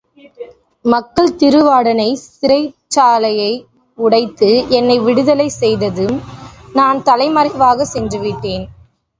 மக்கள் திருவாடானை சிறைச்சாலையை உடைத்து என்னை விடுதலைசெய்ததும், நான் தலைமறைவாகச் சென்றுவிட்டேன்.